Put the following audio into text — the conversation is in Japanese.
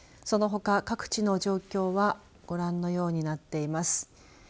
そのほか各地の状況はご覧のようになっています。